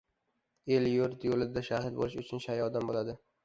El-yurt yo‘lida shahid bo‘lish uchun shay odam bo‘ladi.